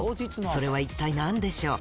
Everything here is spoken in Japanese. それは一体何でしょう？